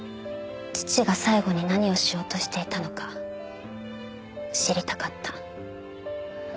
父が最後に何をしようとしていたのか知りたかった。